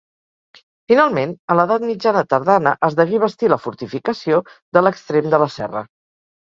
Finalment, a l'edat mitjana tardana, es degué bastir la fortificació de l'extrem de la serra.